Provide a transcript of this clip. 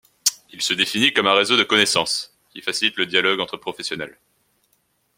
Il se définit comme un réseau de connaissances qui facilite le dialogue entre professionnels.